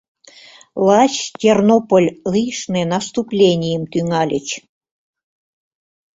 Лач Тернополь лишне наступленийым тӱҥальыч.